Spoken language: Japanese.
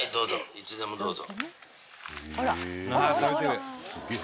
いつでもどうぞ。